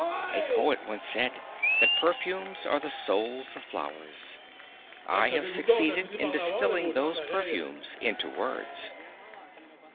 A poet once said that perfumes are the souls of flowers. I have succeeded in distilling those perfumes into words."